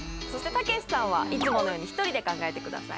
たけしさんはいつものように１人で考えてください。